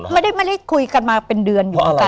ไม่ได้คุยกันมาเป็นเดือน